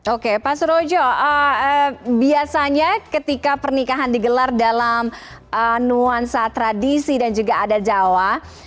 oke pak surojo biasanya ketika pernikahan digelar dalam nuansa tradisi dan juga ada jawa